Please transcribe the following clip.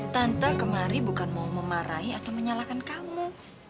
tante kemarin bukan mau memarahi atau menyalahkan kamu